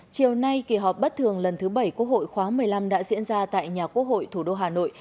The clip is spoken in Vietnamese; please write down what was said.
chiều nay kỳ họp bất thường lần thứ bảy quốc hội khóa một mươi năm đã diễn ra tại nhà quốc hội thủ đô hà nội